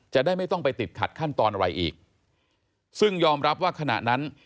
จะได้ไม่ต้องไปติดขัดขั้นตอนอะไรอีกซึ่งยอมรับว่าขณะนั้น